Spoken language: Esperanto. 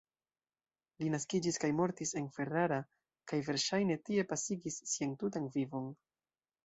Li naskiĝis kaj mortis en Ferrara, kaj verŝajne tie pasigis sian tutan vivon.